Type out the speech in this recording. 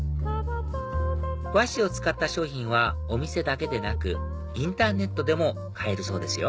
和紙を使った商品はお店だけでなくインターネットでも買えるそうですよ